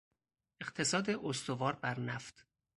اقتصاد استوار بر نفت